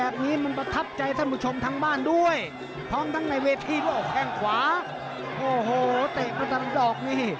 ขวาไหม้แล้วซ้ายขวาขึ้นมา